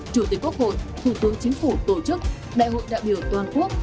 chủ tịch quốc hội thủ tướng chính phủ tổ chức đại hội đại biểu toàn quốc